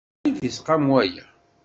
Acḥal i d-isqam waya?